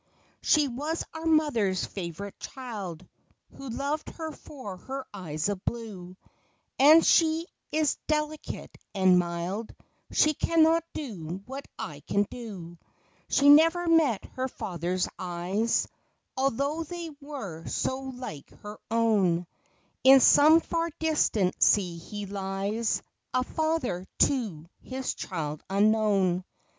She was our mother's favorite child, Who loved her for her eyes of blue ; And she is delicate and mild — She cannot do what I can do. She never met her father's eyes, Although they were so like her own; In some far distant sea he lies, A father to his child unknown.